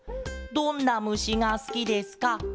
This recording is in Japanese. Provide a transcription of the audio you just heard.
「どんなむしがすきですか？